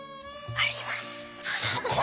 あります。